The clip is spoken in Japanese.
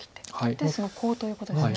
でそのコウということですね。